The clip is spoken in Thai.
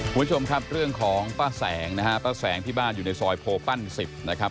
คุณผู้ชมครับเรื่องของป้าแสงนะฮะป้าแสงที่บ้านอยู่ในซอยโพปั้น๑๐นะครับ